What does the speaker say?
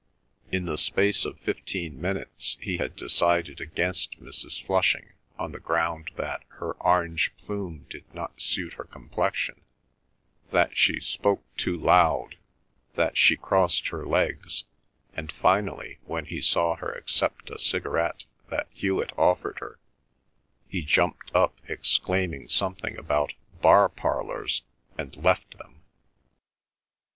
In the space of fifteen minutes he had decided against Mrs. Flushing on the ground that her orange plume did not suit her complexion, that she spoke too loud, that she crossed her legs, and finally, when he saw her accept a cigarette that Hewet offered her, he jumped up, exclaiming something about "bar parlours," and left them.